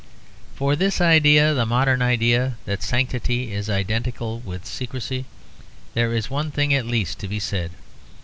For this idea, this modern idea that sanctity is identical with secrecy, there is one thing at least to be said.